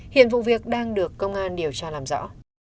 hiện vụ việc đang được công an điều tra làm rõ